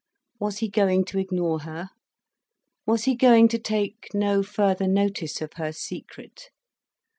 Was he going to ignore her, was he going to take no further notice of her secret?